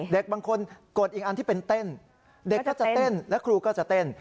เด็กบางคนกดอีกอันที่เป็นเต้นเด็กก็จะเต้นและครูก็จะเต้น